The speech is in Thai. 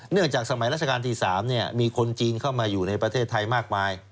จากสมัยราชการที่๓มีคนจีนเข้ามาอยู่ในประเทศไทยมากมาย